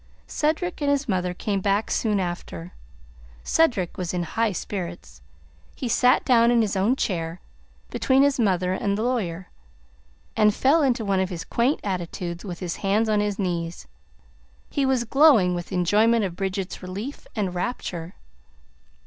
Cedric and his mother came back soon after. Cedric was in high spirits. He sat down in his own chair, between his mother and the lawyer, and fell into one of his quaint attitudes, with his hands on his knees. He was glowing with enjoyment of Bridget's relief and rapture.